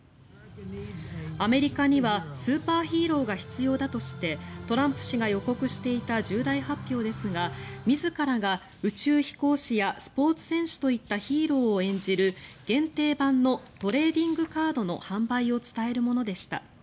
アメリカにはスーパーヒーローが必要だとしてトランプ氏が予告していた重大発表ですが自らが宇宙飛行士やスポーツ選手といったヒーローを演じる限定版のトレーディングカードの販売を伝えるものでした。